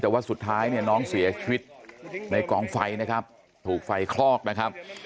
แต่ว่าสุดท้ายเนี่ยน้องเสียชีวิตในกองไฟนะครับถูกไฟคลอกนะครับ